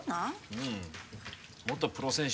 うん元プロ選手